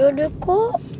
ya ke departure aku